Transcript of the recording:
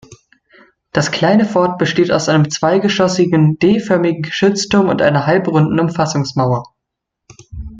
Das kleine Fort besteht aus einem zweigeschossigen, D-förmigen Geschützturm und einer halbrunden Umfassungsmauer.